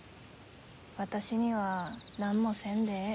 私には何もせんでえい